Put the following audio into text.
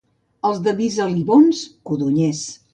Els de Visalibons, codonyers.